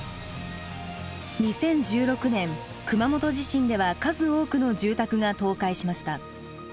２０１６年熊本地震では数多くの住宅が倒壊しました。